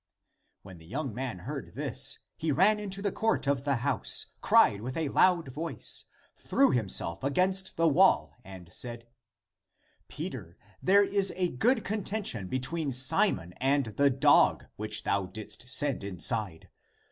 When the young man heard this, he ran into the court of the house, cried with a loud voice, threw himself against the wall, and said, " Peter, there is a good contention between Simon and the dog, which thou didst send inside.